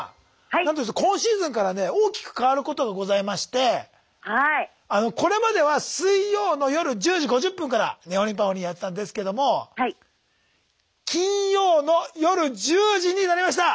なんと今シーズンからね大きく変わることがございましてこれまでは水曜の夜１０時５０分から「ねほりんぱほりん」やってたんですけども金曜の夜１０時になりました！